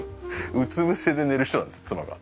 うつぶせで寝る人なんです妻が。